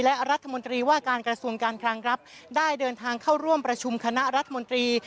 และรัฐมนตรีว่าการกระทรวงการคลังครับได้เดินทางเข้าร่วมประชุมคณะรัฐมนตรี